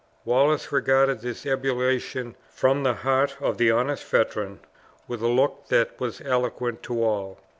Wallace regarded this ebullition from the heart of the honest veteran with a look that was eloquent to all.